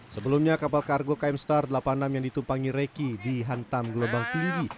sebelumnya kapal kargo km star delapan puluh enam yang ditumpangi reki dihantam gelombang tinggi